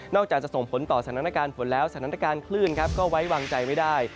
อกจากจะส่งผลต่อสถานการณ์ฝนแล้วสถานการณ์คลื่นครับก็ไว้วางใจไม่ได้